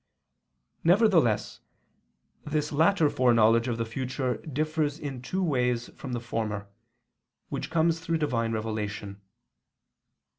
Nevertheless this latter foreknowledge of the future differs in two ways from the former, which comes through Divine revelation.